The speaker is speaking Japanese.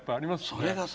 それがさ